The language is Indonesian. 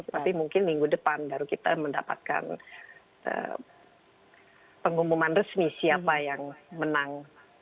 tapi mungkin minggu depan baru kita mendapatkan pengumuman resmi siapa yang menang